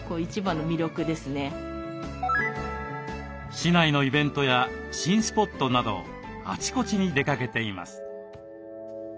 市内のイベントや新スポットなどあちこちに出かけています。